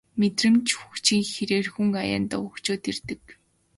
Мэдрэмж хөгжихийн хэрээр хүн аяндаа хөгжөөд ирдэг